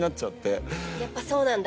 やっぱそうなんだ？